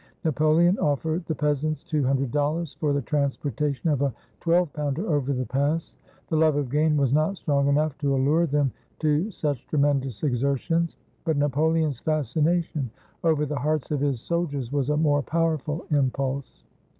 Napoleon offered the peasants two hundred dollars for the transportation of a twelve pounder over the pass. The love of gain was not strong enough to allure them to such tremendous exertions. But Napoleon's fascination over the hearts of his sol diers was a more powerful impulse.